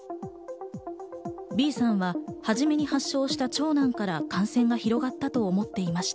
Ｂさんは初めに発症した長男から感染が広がったと思っていました。